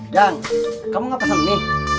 cik kamu mau pesen ini